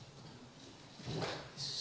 terus filsafah yang ada